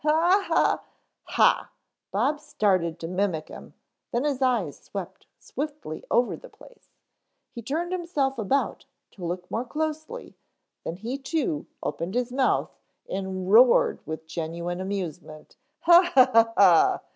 "Ha ha " "Ha " Bob started to mimic him, then his eyes swept swiftly over the place. He turned himself about to look more closely, then, he too opened his mouth and roared with genuine amusement. "Ha ha ha ha."